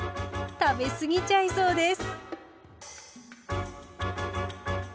食べ過ぎちゃいそうです！